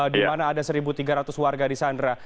di mana ada satu tiga ratus warga di sandra